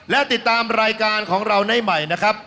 และติดตามรายการของเราได้ใหม่นะครับ